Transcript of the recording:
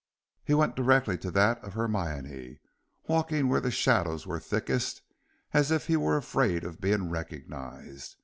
He went directly to that of Hermione, walking where the shadows were thickest as if he were afraid of being recognized.